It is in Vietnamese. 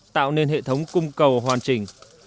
tạo nên hệ thống cung cầu hoàn chỉnh